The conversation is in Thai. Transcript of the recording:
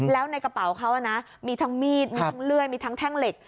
แล้วในกระเป๋าเขามีทั้งมีดมีทั้งเลื่อยมีทั้งแท่งเหล็ก